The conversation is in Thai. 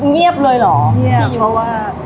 เงียบเลยหรอเพราะว่า